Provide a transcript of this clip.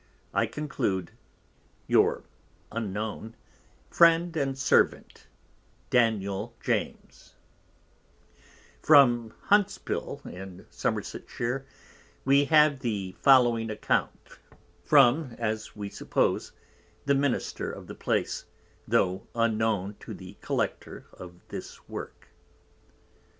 I conclude Your (unknown) Friend and Servant, Danial James From Huntspill in Somersetshire, _we have the following Account from, as we suppose, the Minister of the place, tho' unknown to the Collector of this Work.